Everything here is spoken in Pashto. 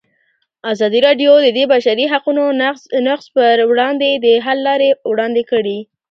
ازادي راډیو د د بشري حقونو نقض پر وړاندې د حل لارې وړاندې کړي.